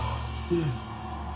うん。